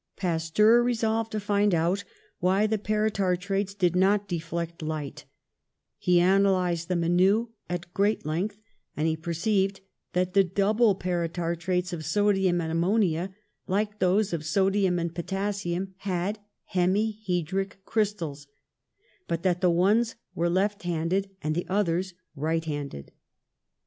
Pasteur resolved to find out ¥/hy the para tartrates did not deflect light; he analysed them anew, at great length, and he perceived that the double paratartrates of sodium and ammonia, like those of sodium and potassium, had hemihedric crystals, but that the ones were left handed and the others right handed.